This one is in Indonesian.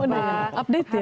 update ya masih ya